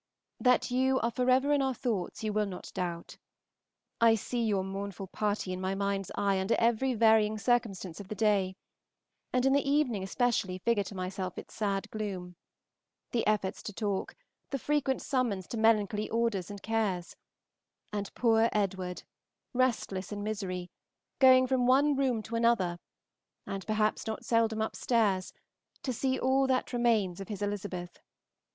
That you are forever in our thoughts you will not doubt. I see your mournful party in my mind's eye under every varying circumstance of the day; and in the evening especially figure to myself its sad gloom: the efforts to talk, the frequent summons to melancholy orders and cares, and poor Edward, restless in misery, going from one room to another, and perhaps not seldom upstairs, to see all that remains of his Elizabeth.